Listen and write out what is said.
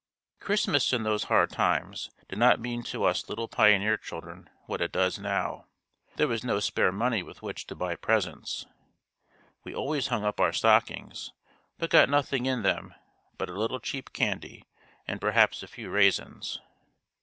Christmas in those hard times did not mean to us little pioneer children what it does now. There was no spare money with which to buy presents. We always hung up our stockings, but got nothing in them but a little cheap candy, and perhaps a few raisins.